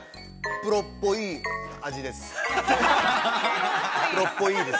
プロっぽい味です。